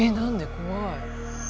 怖い。